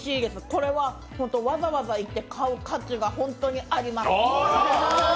これはわざわざ行って買う価値が本当にあります。